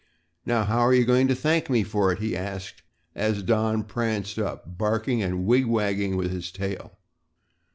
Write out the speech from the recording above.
"Now how are you going to thank me for it?" he asked as Don pranced up, barking and wig wagging with his tail.